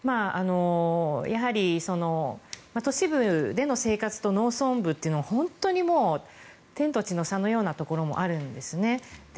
やはり都市部での生活と農村部というのは本当に天と地の差のようなところもあるんですね。